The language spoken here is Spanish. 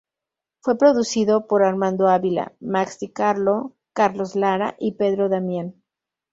Fue producido por Armando Ávila, Max di Carlo, Carlos Lara y Pedro Damián.